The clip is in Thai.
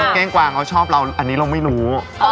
เก้งกวางเขาชอบเราอันนี้เราไม่รู้